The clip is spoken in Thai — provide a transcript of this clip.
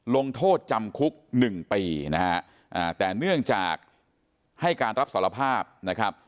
ลงโทษจำคุกหนึ่งปีนะฮะแต่เนื่องจากให้การรับสารภาพนะครับ